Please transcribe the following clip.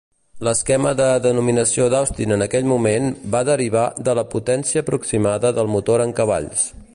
L'esquema de la denominació d'Austin en aquell moment va derivar de la potència aproximada del motor en cavalls.